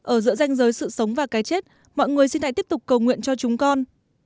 ở giữa danh giới sự sống và cái chết mọi người xin hãy tiếp tục cầu nguyện cho chúng con